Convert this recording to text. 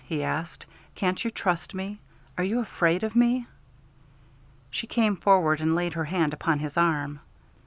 he asked. "Can't you trust me? Are you afraid of me?" She came forward and laid her hand upon his arm.